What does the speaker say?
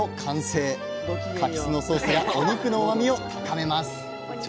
柿酢のソースがお肉のうまみを高めますじゃ